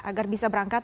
agar bisa berangkat